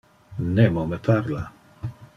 Nemo me parla.